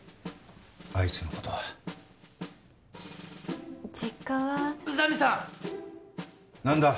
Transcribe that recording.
あいつのことは実家は宇佐美さん何だ？